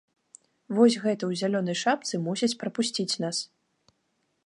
Вось гэты ў зялёнай шапцы мусіць прапусціць нас.